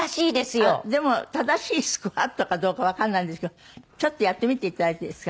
でも正しいスクワットかどうかわからないんですけどちょっとやってみて頂いていいですか？